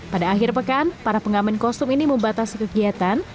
pada akhir pekan para pengamen kostum ini membatasi kegiatan